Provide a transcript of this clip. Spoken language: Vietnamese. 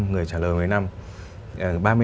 người trả lời một mươi năm